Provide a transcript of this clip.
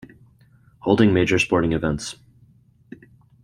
Holding major sporting events.